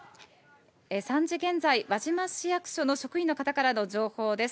３時現在、輪島市役所の職員の方からの情報です。